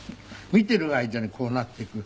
見ている間にこうなっていく。